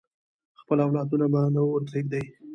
خپل اولادونه به نه ورپریږدي.